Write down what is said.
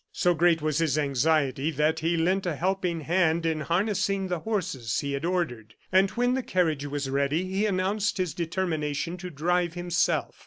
So great was his anxiety that he lent a helping hand in harnessing the horses he had ordered, and when the carriage was ready, he announced his determination to drive himself.